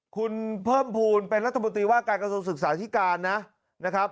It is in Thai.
คุณเพิ่มภูมิเป็นรัฐมนตรีว่าการกระทรวงศึกษาธิการนะครับ